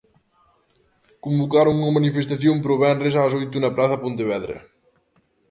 Convocaron unha manifestación para o venres ás oito na praza de Pontevedra.